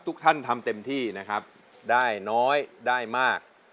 ทุกท่านทำเต็มที่นะครับได้น้อยได้มาก